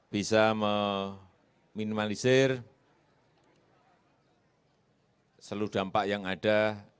bisa meminimalisir seluruh dampak yang ada